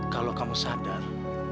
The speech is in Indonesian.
kalau kamu sadar